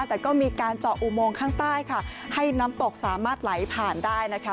แต่ก็มีการเจาะอุโมงข้างใต้ค่ะให้น้ำตกสามารถไหลผ่านได้นะคะ